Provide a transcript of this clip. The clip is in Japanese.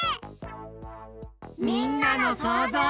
みんなのそうぞう。